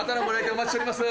お待ちしております！